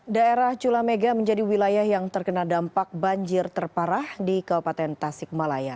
daerah cula mega menjadi wilayah yang terkena dampak banjir terparah di kabupaten tasik malaya